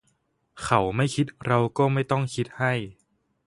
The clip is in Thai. เขาไม่คิดเราก็ไม่ต้องคิดให้